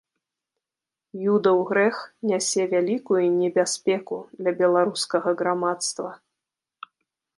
Юдаў грэх нясе вялікую небяспеку для беларускага грамадства.